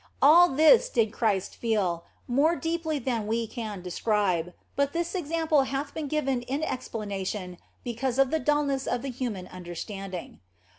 All this did Christ feel, more deeply than we can describe, but this example hath been given in ex planation because of the dulness of the human under standing.